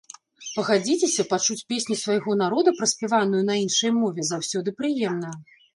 Пагадзіцеся, пачуць песню свайго народа праспяваную на іншай мове заўсёды прыемна!